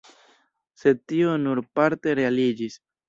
Sed tio nur parte realiĝis.